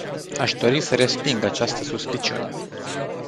Aș dori să resping această suspiciune.